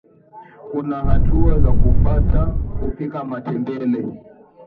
kuna hatua za kufata kupika matembele